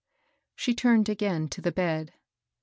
She turned again to the bed.